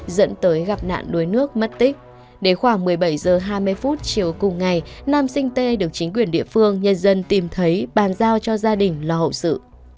dẫn tới gặp nạn đuối nước mất tích đến khoảng một mươi bảy h hai mươi chiều cùng ngày nam sinh t được chính quyền địa phương nhân dân tìm thấy bàn giao cho gia đình lo hậu sự